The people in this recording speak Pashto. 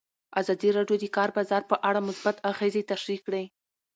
ازادي راډیو د د کار بازار په اړه مثبت اغېزې تشریح کړي.